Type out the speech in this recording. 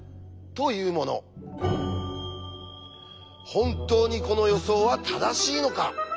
本当にこの予想は正しいのか？